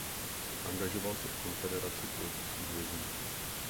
Angažoval se v Konfederaci politických vězňů.